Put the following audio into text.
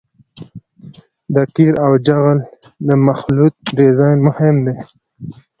د قیر او جغل د مخلوط ډیزاین مهم دی